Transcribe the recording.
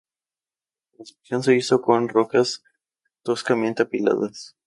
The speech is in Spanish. La construcción se hizo con rocas toscamente apiladas.